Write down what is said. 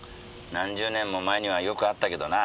何十年も前にはよくあったけどな。